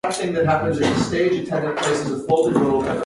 Models a Spotlight.